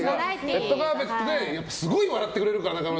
「レッドカーペット」ですごい笑ってくれるから。